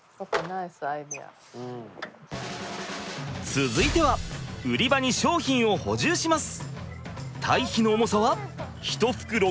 続いては売り場に商品を補充します。